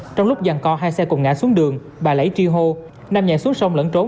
trong lúc dàn co hai xe cùng ngã xuống đường bà lẫy tri hô nam nhảy xuống sông lẫn trốn